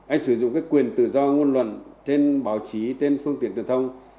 anh sử dụng cái quyền tự do ngôn luận trên báo chí trên phương tiện truyền thông